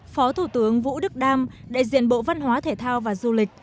phó thủ tướng vũ đức đam đại diện bộ văn hóa thể thao và du lịch